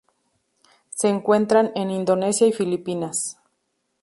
Se encuentran en Indonesia y Filipinas.